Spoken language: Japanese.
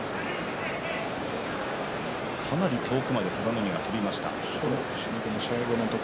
かなり遠くまで佐田の海が飛びました。